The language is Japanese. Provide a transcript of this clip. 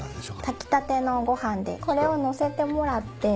炊きたてのご飯でこれを載せてもらって。